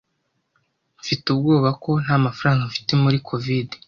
Mfite ubwoba ko ntamafaranga mfite muri covid